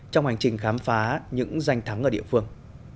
trong hành trình khám phá những danh thắng ở địa phương